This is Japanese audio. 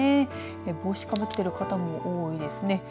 帽子かぶってる方も多いですね。